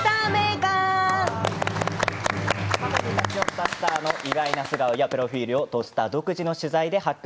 カフェに立ち寄ったスターの意外な素顔やプロフィールを「土スタ」独自の取材で発掘。